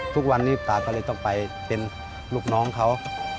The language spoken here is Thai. ทุกวันนี้ป่าก็เลยต้องไปเป็นลูกน้องเขา